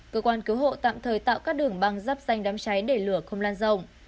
cơ quan cứu hộ tạm thời tạo các đường băng dắp danh đám cháy để lửa không lan rộng